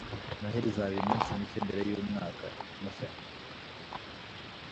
Noheri iza iminsi mike mbere yumwaka mushya.